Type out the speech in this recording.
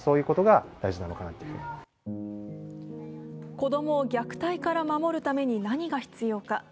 子供を虐待から守るために何が必要か。